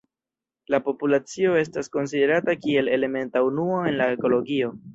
La populacio estas konsiderata kiel elementa unuo en la ekologio.